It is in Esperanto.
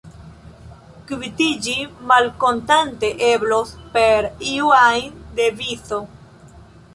Kvitiĝi malkontante eblos per iu ajn devizo.